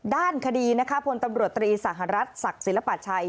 ด้านคดีบนตำรวจตรีสหรัฐศักดิ์ศิลปัชชัย